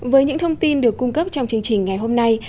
với những thông tin được cung cấp trong chương trình ngày hôm nay